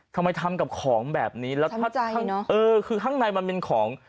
ทำไมทำกับของแบบนี้แล้วเออคือข้างในมันเป็นของ